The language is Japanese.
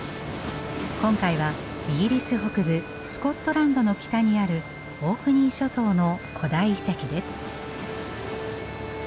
今回はイギリス北部スコットランドの北にあるオークニー諸島の古代遺跡です。